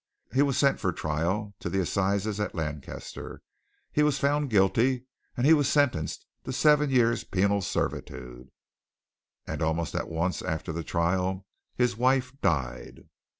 He was sent for trial to the assizes at Lancaster, he was found guilty, and he was sentenced to seven years' penal servitude. And almost at once after the trial his wife died.